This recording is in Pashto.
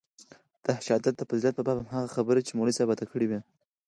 د شهادت د فضيلت په باب هماغه خبرې چې مولوي صاحب راته کړې وې.